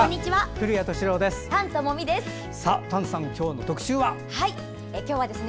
古谷敏郎です。